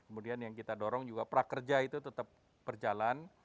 kemudian yang kita dorong juga prakerja itu tetap berjalan